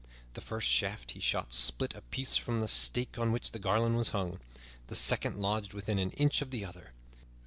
The first shaft he shot split a piece from the stake on which the garland was hung; the second lodged within an inch of the other.